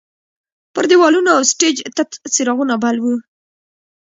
پر دیوالونو او سټیج تت څراغونه بل وو.